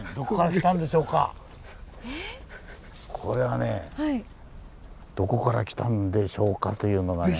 これはねどこから来たんでしょうかというのがね。